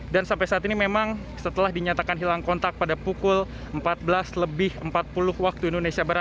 dan sampai saat ini memang setelah dinyatakan hilang kontak pada pukul empat belas empat puluh wib